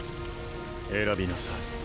選びなさい